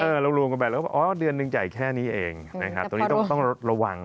เรารวมกันไปแล้วว่าอ๋อเดือนหนึ่งจ่ายแค่นี้เองนะครับตรงนี้ต้องระวัง